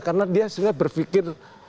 karena dia sebenarnya berpikir